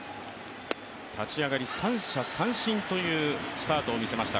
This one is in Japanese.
立ち上がり、三者三振というスタートを見せました